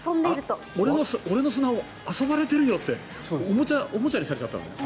俺のスマホ遊ばれてるよっておもちゃにされちゃったの？